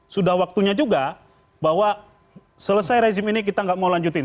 sudah waktunya juga bahwa selesai rezim ini kita nggak mau lanjutin